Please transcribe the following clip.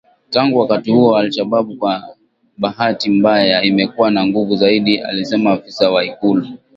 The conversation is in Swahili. Tangu wakati huo al-Shabab kwa bahati mbaya imekuwa na nguvu zaidi alisema afisa wa Ikulu